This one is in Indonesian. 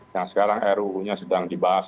yang sekarang ruu nya sedang dibahas